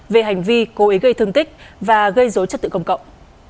về hành vi cố ý gây thương tích và gây dối trật tự công cộng